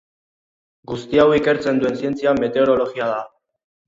Guzti hau ikertzen duen zientzia meteorologia da.